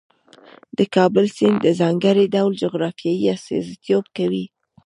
د کابل سیند د ځانګړي ډول جغرافیې استازیتوب کوي.